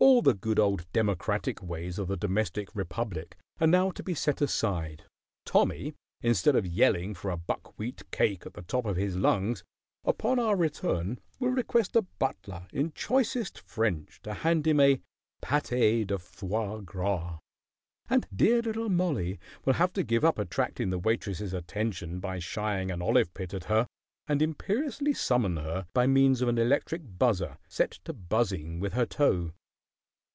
All the good old democratic ways of the domestic republic are now to be set aside. Tommy, instead of yelling for a buckwheat cake at the top of his lungs, upon our return will request a butler in choicest French to hand him a pâté de foie gras; and dear little Mollie will have to give up attracting the waitress' attention by shying an olive pit at her and imperiously summon her by means of an electric buzzer set to buzzing with her toe."